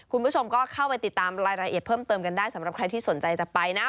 คุณผู้ชมก็เข้าไปติดตามรายละเอียดเพิ่มเติมกันได้สำหรับใครที่สนใจจะไปนะ